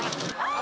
あ！